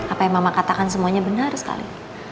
apa yang mama katakan semuanya benar sekali